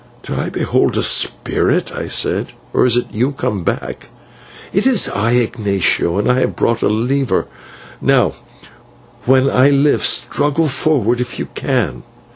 "Do I behold a spirit," I said, "or is it you come back?" "It is I, Ignatio. and I have brought a lever. Now when I lift, struggle forward if you can."